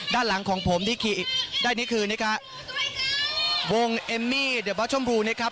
ด้านหลังของผมที่ขี่ได้นี่คือนะครับวงเอมมี่เดอร์บอสชมพูนะครับ